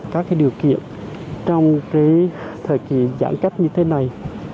các điều kiện trong thời kỳ giãn cách như thế này